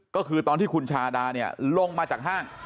ก็คือตอนที่คุณชาดาเนี่ยลงมาจากห้าง